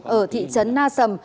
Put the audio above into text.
ở thị trấn na sầm